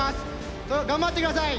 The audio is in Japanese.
頑張って下さい。